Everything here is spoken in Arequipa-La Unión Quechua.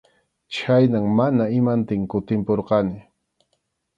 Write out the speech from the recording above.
Chhaynam mana imantin kutimpurqani.